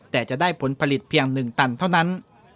แต่จะได้ผลผลิตเพียง๑ตันเท่านั้น